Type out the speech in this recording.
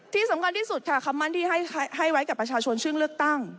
ที่สำคัญที่สุดค่ะคำมั่นที่ให้ไว้กับประชาชนซึ่งเลือกตั้ง